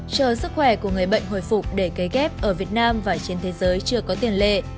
chờ sức khỏe của người bệnh hồi phục để cấy ghép ở việt nam và trên thế giới chưa có tiền lệ